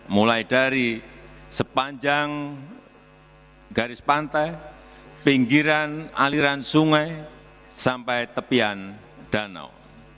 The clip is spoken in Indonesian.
mulai dari sepanjang garis pantai pinggiran aliran sungai sampai tepian danau